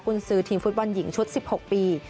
คุณซื้อทีมฟุตบอลหญิงชุด๑๖ปี